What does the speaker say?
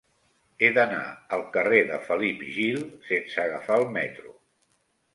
He d'anar al carrer de Felip Gil sense agafar el metro.